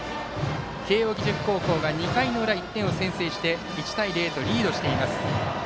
慶応義塾高校が２回の裏１点を先制して１対０とリードしています。